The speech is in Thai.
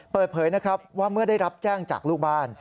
เปิดเผยนะครับว่าเมื่อได้รับแจ้งจากลูกบ้าน